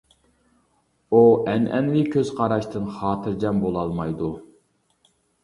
ئۇ ئەنئەنىۋى كۆز قاراشتىن خاتىرجەم بولالمايدۇ.